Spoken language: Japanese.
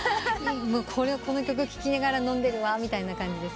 「この曲聴きながら飲んでるわ」みたいな感じ？